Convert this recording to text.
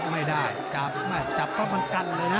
ไม่ได้จับปรับมันกันเลยนะ